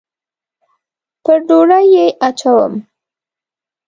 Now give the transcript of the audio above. پر ډوډۍ یې اچوم